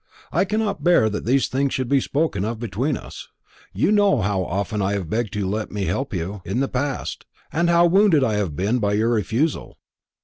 I cannot bear that these things should be spoken of between us. You know how often I have begged you to let me help you in the past, and how wounded I have been by your refusal."